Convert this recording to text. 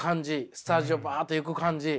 スタジオバッて行く感じ。